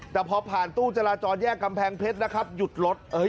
แต่พอผ่านตู้จราจรแยกกำแพงเพชรนะครับหยุดรถ